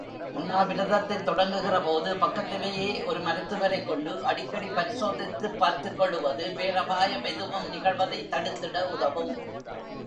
உண்ணாவிரதத்தைத் தொடங்குகிறபோது, பக்கத்திலேயே ஒரு மருத்துவரைக் கொண்டு, அடிக்கடி பரிசோதித்துப் பார்த்துக்கொள்வது பேரபாயம் எதுவும் நிகழ்வதைத் தடுத்திட உதவும்.